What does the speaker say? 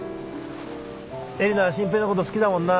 えりなは真平のこと好きだもんな。